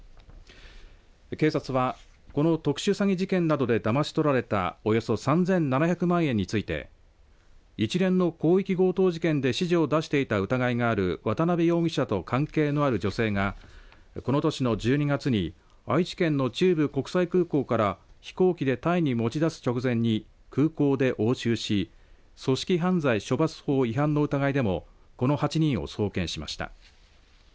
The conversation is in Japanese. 警察は、この特殊詐欺事件などでだまし取られたおよそ３７００万円について一連の広域強盗事件で指示を出していた疑いがある渡邉容疑者と関係のある女性がこの年の１２月に愛知県の中部国際空港から飛行機でタイに持ち出す直前に空港で押収し組織犯罪処罰法違反の疑いでもこの８人を送検しました。